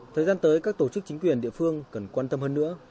thời gian tới các tổ chức chính quyền địa phương cần quan tâm hơn nữa